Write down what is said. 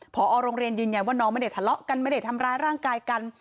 พอโรงเรียนยืนยันว่าน้องไม่ได้ทะเลาะกันไม่ได้ทำร้ายร่างกายกัน